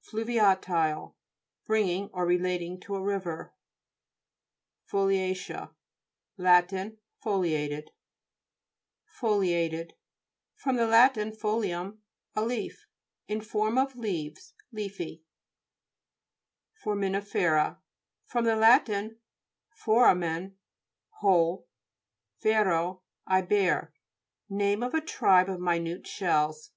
FLU'VIATILE Belonging or relating to a river. FOLIA'CEA Lat. Foliated. FOLIA'TED fr. lat folium, a leaf. In form of leaves ; leafy. FORAMISTI'FERA fr. lat. foramen, hole, yero, I bear. Name of a tribe of minute shells.